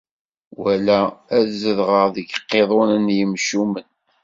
Wala ad zedɣeɣ deg yiqiḍunen n yimcumen.